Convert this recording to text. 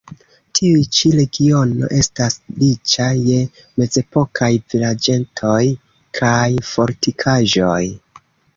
Tiu ĉi regiono estas riĉa je mezepokaj vilaĝetoj kaj fortikaĵoj.